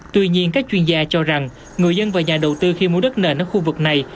tuy nhiên các chuyên gia cho rằng người dân và nhà đầu tư khi mua đất nền ở khu vực này